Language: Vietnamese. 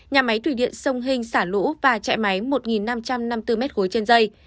nhà máy thủy điện sông hình xả lũ và chạy máy một năm trăm năm mươi bốn m ba trên dây